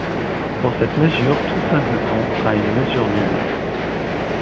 Pour cette mesure, tout singleton a une mesure nulle.